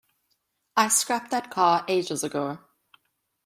I scrapped that car ages ago.